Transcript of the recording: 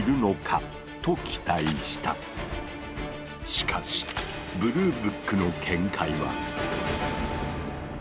しかしブルーブックの見解は。